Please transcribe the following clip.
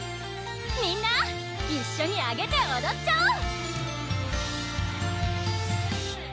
みんな一緒にアゲておどっちゃおう！